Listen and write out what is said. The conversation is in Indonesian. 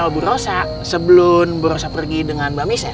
kenapa berosak sebelum berosak pergi dengan mbak michelle